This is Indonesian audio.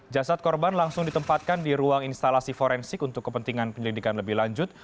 jasad korban langsung ditempatkan di ruang instalasi forensik untuk kepentingan penyelidikan lebih lanjut